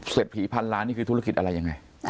ผีพันล้านนี่คือธุรกิจอะไรยังไง